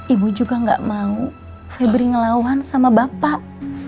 ibu juga gak mau febri ngelawan sama bapak